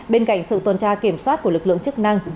bên cạnh sự tuần tra kiểm soát của lực lượng chức năng